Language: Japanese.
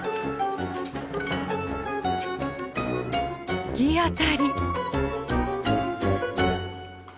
突き当たり。